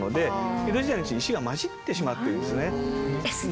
江戸時代のうちに石が交じってしまってるんですね。